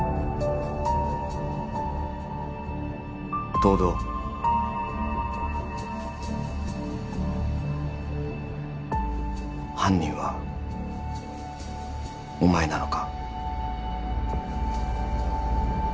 東堂犯人はお前なのか？